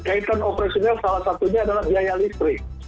kaitan operasional salah satunya adalah biaya listrik